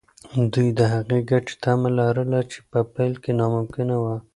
دوی د هغې ګټې تمه لرله چې په پیل کې ناممکنه وه.